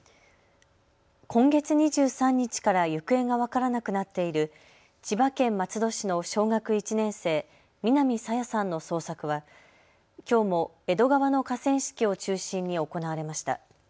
今月２３日から行方が分からなくなっている千葉県松戸市の小学１年生、南朝芽さんの捜索はきょうも江戸川の河川敷を中心に行われました。